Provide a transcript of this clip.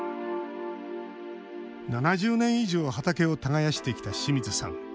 ７０年以上畑を耕してきた清水さん。